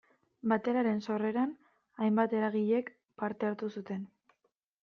Bateraren sorreran hainbat eragilek parte hartu zuten.